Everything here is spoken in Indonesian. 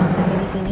om samy di sini